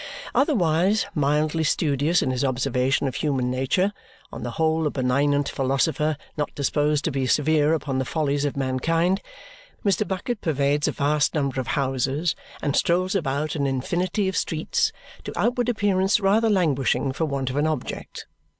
Otherwise mildly studious in his observation of human nature, on the whole a benignant philosopher not disposed to be severe upon the follies of mankind, Mr. Bucket pervades a vast number of houses and strolls about an infinity of streets, to outward appearance rather languishing for want of an object.